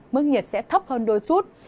mức nhiệt sẽ thấp hơn đôi chút